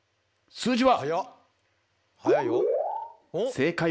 「数字は？